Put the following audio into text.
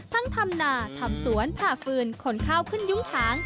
ทำนาทำสวนผ่าฟืนขนข้าวขึ้นยุ้งฉาง